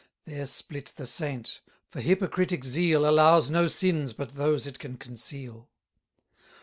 There split the saint: for hypocritic zeal Allows no sins but those it can conceal.